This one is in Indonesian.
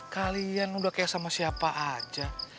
kalian udah kayak sama siapa aja